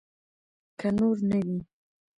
که نور نه وي.